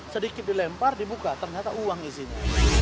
sedikit dilempar dibuka ternyata uang isinya